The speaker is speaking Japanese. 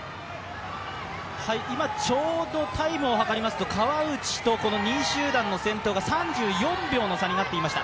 今、ちょうどタイムをはかりますと、川内と２位集団の先頭が３４秒の差になっていました。